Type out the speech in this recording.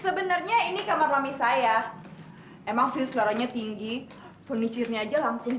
sebenarnya ini kamar lami saya emang sih suaranya tinggi punicirnya aja langsung